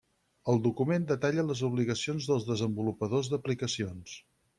El document detalla les obligacions dels desenvolupadors d'aplicacions.